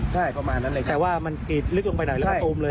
แต่ว่ามันอีกลึกลงไปไหนแล้วก็โอ้มเลย